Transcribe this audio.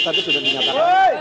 tapi sudah dinyatakan